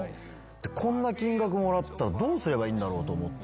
こんな金額もらったらどうすればいいんだろうと思って。